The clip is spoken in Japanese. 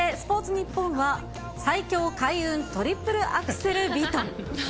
ニッポンは、最強開運トリプルアクセル日と。